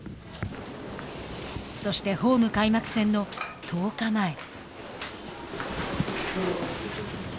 そして、ホーム開幕戦の１０日前。